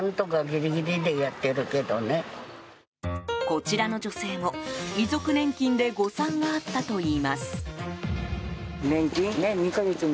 こちらの女性も、遺族年金で誤算があったといいます。